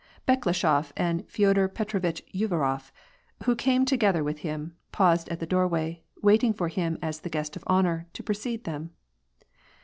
Bekleshof and Feodor Petrovitch Uvarof, who came to gether with him, paused at the doorway, waiting for him as the guest of honor, to precede them.